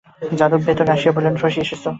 যাদব ভিতরে আসিয়া বলিলেন, শশী এসেছ?